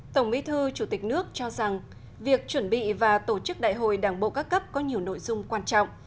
tổng bí thư chủ tịch nước cho rằng việc chuẩn bị và tổ chức đại hội đảng bộ các cấp có nhiều nội dung quan trọng